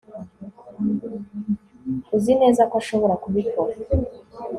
Uzi neza ko ashobora kubikora